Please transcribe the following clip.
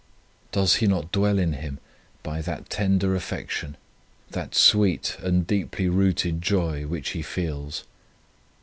Does he not dwell in him 78 The Love of God by that tender affection, that sweet and deeply rooted joy which he feels